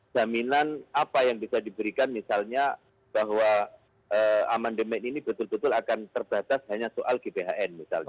jaminan apa yang bisa diberikan misalnya bahwa amandemen ini betul betul akan terbatas hanya soal gbhn misalnya